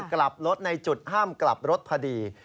กลับรถในจุดห้ามกลับรถพอดี